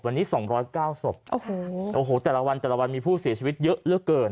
วันนี้สองร้อยเก้าศพโอ้โหโอ้โหแต่ละวันแต่ละวันมีผู้เสียชีวิตเยอะเรื่องเกิน